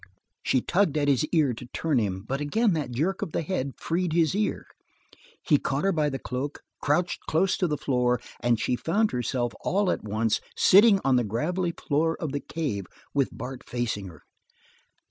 She tugged at his ear to turn him, but again that jerk of the head freed his ear. He caught her by the cloak, crouched close to the floor, and she found herself all at once sitting on the gravelly floor of the cave with Bart facing her.